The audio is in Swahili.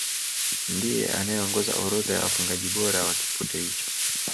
Ndiye anayeongoza orodha ya wafungaji bora wa kipute hicho